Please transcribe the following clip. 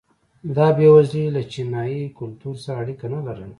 دا بېوزلي له چینايي کلتور سره اړیکه نه لرله.